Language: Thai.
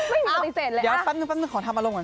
อ้าวเดี๋ยวปั๊บนึงขอทำอารมณ์ก่อน